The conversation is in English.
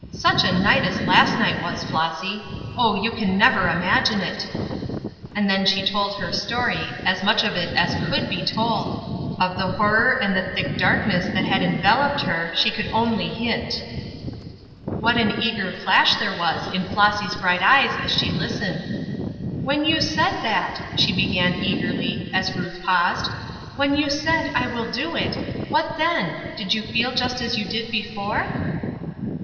Such a night as last night was, Flossy! Oh, you can never imagine it!" And then she told her story, as much of it as could be told; of the horror and the thick darkness that had enveloped her she could only hint. What an eager flash there was in Flossy's bright eyes as she listened. "When you said that!" she began, eagerly, as Ruth paused. "When you said, 'I will do it.' What then? Did you feel just as you did before?"